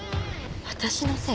私のせい？